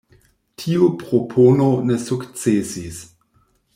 Tiu propono ne sukcesis.